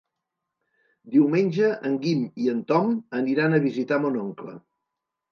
Diumenge en Guim i en Tom aniran a visitar mon oncle.